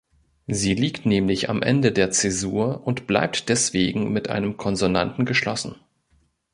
Sie liegt nämlich am Ende der Zäsur und bleibt deswegen mit einem Konsonanten geschlossen.